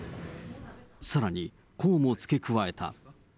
さらにこうも付け加えた。